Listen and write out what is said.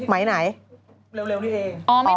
อ๋อไม่ทางนี้